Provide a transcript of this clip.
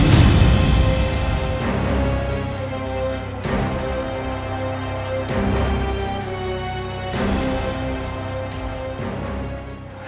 dan menangkap raden kian santang